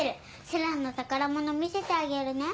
星来の宝物見せてあげるね。